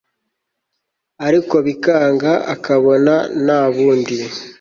ariko bikanga akabona nta bundi